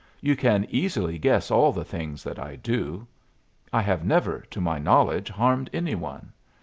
You can easily guess all the things that I do. I have never, to my knowledge, harmed any one.